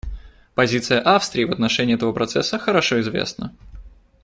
Позиция Австрии в отношении этого процесса хорошо известна.